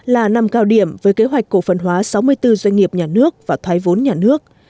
hai nghìn một mươi tám là năm cao điểm với kế hoạch cổ phần hóa sáu mươi bốn doanh nghiệp nhà nước và thoái vốn nhà nước